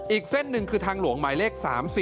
อีกเส้นหนึ่งคือทางหลวงหมายเลข๓๐